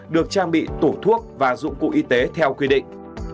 được trang bị tủ thuốc và dụng cụ y tế theo quy định